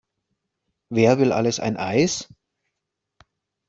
Wer will alles ein Eis?